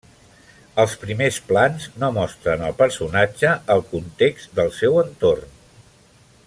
Els primers plans no mostren al personatge al context del seu entorn.